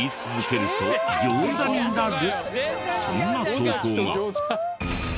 そんな投稿が。